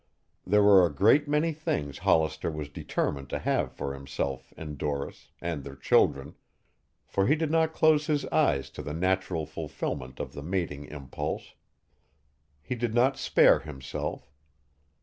There were a great many things Hollister was determined to have for himself and Doris and their children, for he did not close his eyes to the natural fulfilment of the mating impulse. He did not spare himself.